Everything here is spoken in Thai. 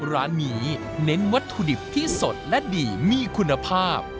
ร้านนี้เน้นวัตถุดิบที่สดและดีมีคุณภาพ